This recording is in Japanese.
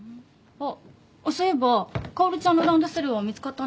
あっそういえば薫ちゃんのランドセルは見つかったんですか？